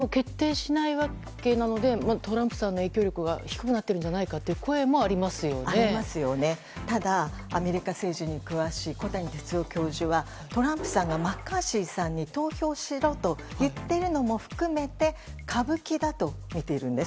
トランプさんはマッカーシーさんに投票してねと呼びかけてでも、決定しないわけなのでトランプさんの影響力が低くなっているんじゃないかただ、アメリカ政治に詳しい小谷哲男教授はトランプさんがマッカーシーさんに投票しろと言っているのも含めて歌舞伎だとみているんです。